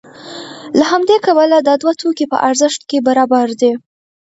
له همدې کبله دا دوه توکي په ارزښت کې برابر دي